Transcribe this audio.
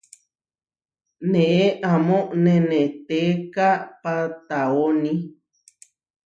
Neé amó neʼnéteka patáoni.